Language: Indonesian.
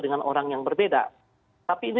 dengan orang yang berbeda tapi ini